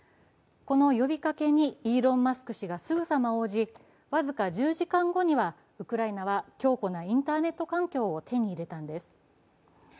この呼びかけにイーロン・マスク氏がすぐさま応じ僅か１０時間後にはウクライナは強固なインターネット環境を手に入れたんです。